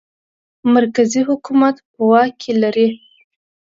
مرکزي حکومت په واک کې لري.